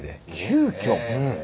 急きょ！